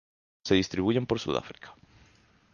Se distribuyen por Sudáfrica.